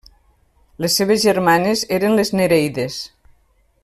Les seves germanes eren les Nereides.